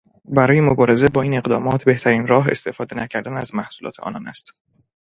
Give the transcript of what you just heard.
برای مبارزه با این اقدامات، بهترین راه، استفاده نکردن از محصولات آنان است.